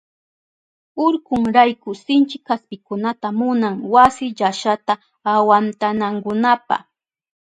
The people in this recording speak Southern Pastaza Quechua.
Urkunrayku sinchi kaspikunata munan wasi llashata awantanankunapa.